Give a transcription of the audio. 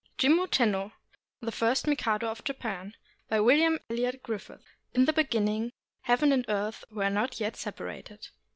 JIMMU TENNO, THE FIRST MIKADO OF JAPAN BY WILLIAM ELLIOT GRIFFIS In the beginning, heaven and earth were not yet sepa rated.